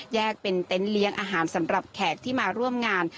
แยกเป็นเต็นต์เลี้ยงอาหารสำหรับแขกที่มาร่วมงาน